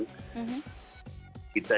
kita itu akan mencari makanan baru